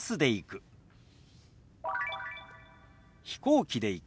「飛行機で行く」。